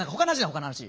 他の話！